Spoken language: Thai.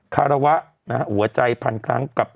คารวะหัวใจพันครั้งกับ